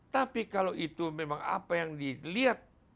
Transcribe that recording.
tapi kalau itu memang apa yang dilihat